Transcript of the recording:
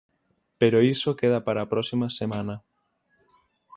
Pero iso queda para a próxima semana.